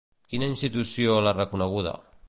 Quina institució l'ha reconeguda?